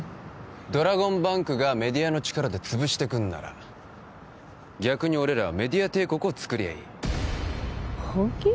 ドラゴンバンクがメディアの力でつぶしてくるなら逆に俺らはメディア帝国をつくりゃいい本気？